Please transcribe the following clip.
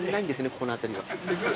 ここの辺りは。